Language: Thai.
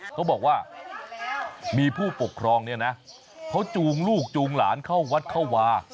เขาบอกว่ามีผู้ปกครองเนี่ยนะเขาจูงลูกจูงหลานเข้าวัดเข้าวา